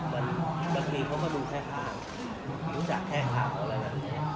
บางทีเขาก็ดูแค่ภาพรู้จักแค่ภาพเขาแล้วนะ